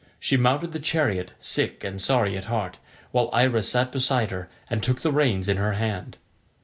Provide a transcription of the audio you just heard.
She mounted the chariot sick and sorry at heart, while Iris sat beside her and took the reins in her hand.